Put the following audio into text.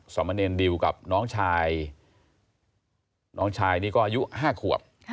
สมเนรดิวกับน้องชายน้องชายนี่ก็อายุ๕ขวบ